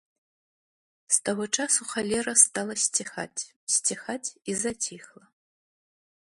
З таго часу халера стала сціхаць, сціхаць і заціхла.